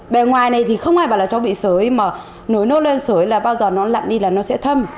bé ngoài này thì không ai bảo là cháu bị sởi mà nối nó lên sởi là bao giờ nó lặn đi là nó sẽ thâm